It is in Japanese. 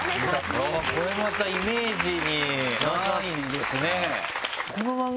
これまたイメージにないですね。